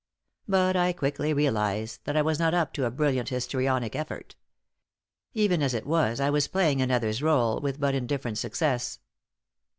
But I quickly realized that I was not up to a brilliant histrionic effort. Even as it was, I was playing another's role with but indifferent success.